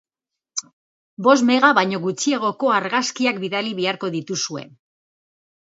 Bost mega baino gutxiagoko argazkiak bidali beharko dituzue.